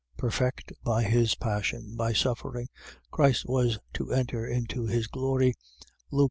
Perfect by his passion. . .By suffering, Christ was to enter into his glory, Luke 24.